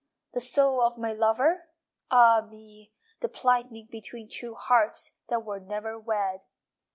The soul of my lover? Ah me, the plighting Between two hearts That were never wed!